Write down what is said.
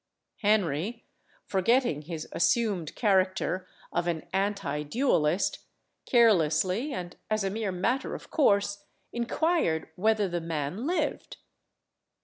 Henry, forgetting his assumed character of an anti duellist, carelessly, and as a mere matter of course, inquired whether the man lived?